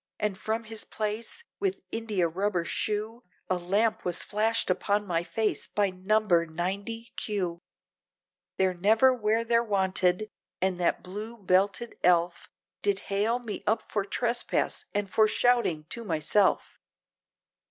and from his place, with india rubber shoe, A lamp was flashed upon my face, by number 90, Q, They're never where they're wanted, and that blue, belted elf, Did hail me up for trespass, and for shouting to myself!